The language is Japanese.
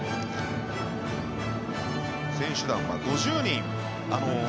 選手団は５０人。